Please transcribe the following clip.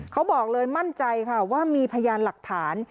เขาบอกเลยมั่นใจค่ะว่ามีพยานหลักฐาน